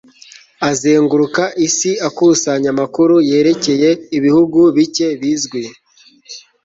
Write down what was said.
azenguruka isi akusanya amakuru yerekeye ibihugu bike bizwi